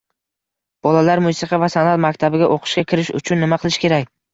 Bolalar musiqa va san’at maktabiga o‘qishga kirish uchun nima qilish kerak?